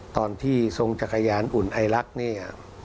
ตอนที่ทรงจักรยานอุ่นไอลักษณ์เนี่ย